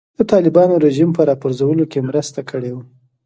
د طالبانو رژیم په راپرځولو کې مرسته کړې وه.